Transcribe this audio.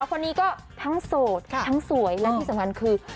คนนี้ก็ทั้งโสดทั้งสวยและที่สำคัญคือ